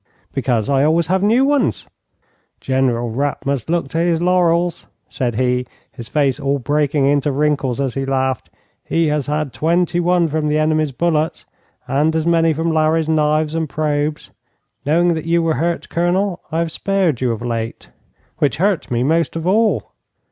'Because I have always new ones.' 'General Rapp must look to his laurels,' said he, his face all breaking into wrinkles as he laughed. 'He has had twenty one from the enemy's bullets, and as many from Larrey's knives and probes. Knowing that you were hurt, Colonel, I have spared you of late.' 'Which hurt me most of all.'